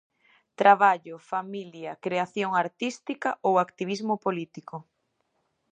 Traballo, familia, creación artística ou activismo político.